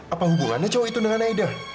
apa hubungannya cowok itu dengan aiden